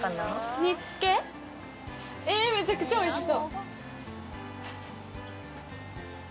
煮つけえめちゃくちゃおいしそう。